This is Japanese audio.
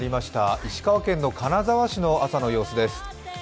石川県の金沢市の朝の様子です。